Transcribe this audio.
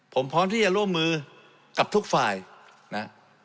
ผมพร้อมที่จะร่วมมือกับทุกฝ่ายนะ